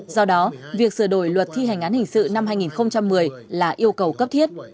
do đó việc sửa đổi luật thi hành án hình sự năm hai nghìn một mươi là yêu cầu cấp thiết